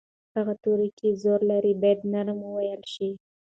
هغه توری چې زور لري باید نرم وویل شي.